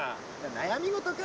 悩み事か？